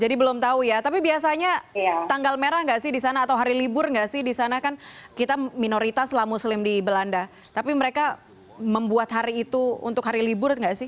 jadi belum tahu ya tapi biasanya tanggal merah nggak sih di sana atau hari libur nggak sih di sana kan kita minoritas lah muslim di belanda tapi mereka membuat hari itu untuk hari libur nggak sih